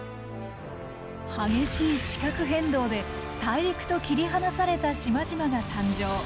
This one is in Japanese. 激しい地殻変動で大陸と切り離された島々が誕生。